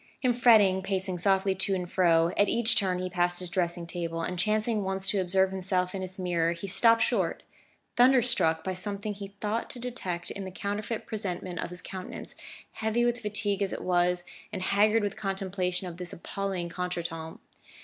In his fretting, pacing softly to and fro, at each turn he passed his dressing table, and chancing once to observe himself in its mirror, he stopped short, thunderstruck by something he thought to detect in the counterfeit presentment of his countenance, heavy with fatigue as it was, and haggard with contemplation of this appalling contretemps.